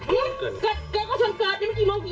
ตอนนี้กลับเลยเพราะทำงานกันเถอะน่ะเพราะทำงานกันเถอะน่ะ